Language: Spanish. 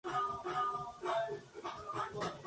Pertenecía a la aristocrática familia Contarini.